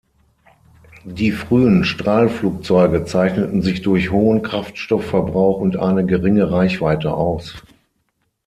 Die frühen Strahlflugzeuge zeichneten sich durch hohen Kraftstoffverbrauch und eine geringe Reichweite aus.